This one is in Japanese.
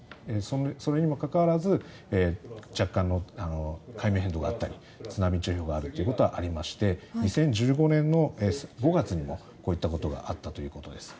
それにもかかわらず若干の海面変動があったり津波注意報があるということはありまして２０１５年の５月にもこういったことがあったということです。